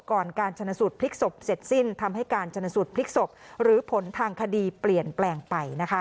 การชนสูตรพลิกศพเสร็จสิ้นทำให้การชนสูตรพลิกศพหรือผลทางคดีเปลี่ยนแปลงไป